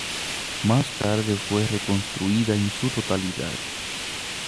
Más tarde fue reconstruida en su totalidad.